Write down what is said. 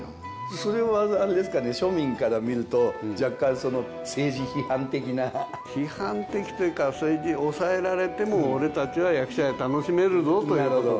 それをあれですかね庶民から見ると若干政治批判的な？批判的というかそれで抑えられても俺たちは役者絵楽しめるぞということで。